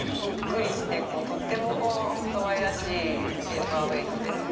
ぷっくりしてかわいらしいペーパーウエートですね。